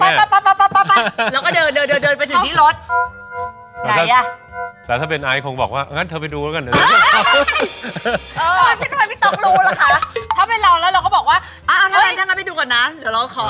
ถ้าไปรอแล้วเราก็บอกว่าเอานะไปดูก่อนนะเดี๋ยวเราขอซื้อต่อ